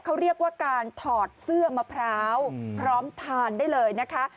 เขาเรียกว่าการถอดเสื้อมะพร้าวพร้อมทานได้เลยนะคะ